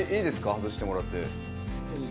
外してもらって。